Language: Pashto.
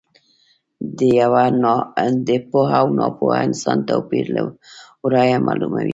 د پوه او ناپوه انسان توپیر له ورایه معلوم وي.